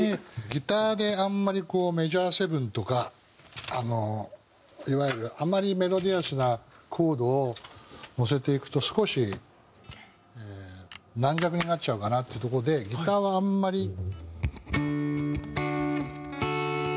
ギターであんまりこうメジャーセブンとかいわゆるあんまりメロディアスなコードをのせていくと少し軟弱になっちゃうかなっていうとこでギターはあんまり。